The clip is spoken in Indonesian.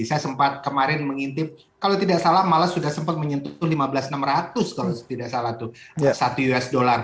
saya sempat kemarin mengintip kalau tidak salah malah sudah sempat menyentuh lima belas enam ratus kalau tidak salah tuh satu usd